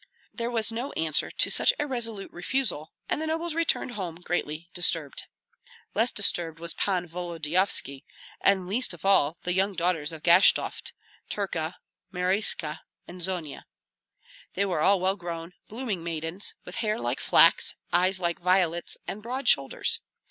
There was no answer to such a resolute refusal, and the nobles returned home greatly disturbed. Less disturbed was Pan Volodyovski, and least of all the young daughters of Gashtovt, Terka, Maryska, and Zonia. They were well grown, blooming maidens, with hair like flax, eyes like violets, and broad shoulders.